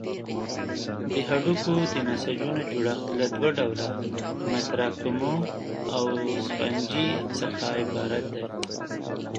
د هډوکو د نسجونو جوړښت له دوه ډوله متراکمو او سفنجي څخه عبارت دی.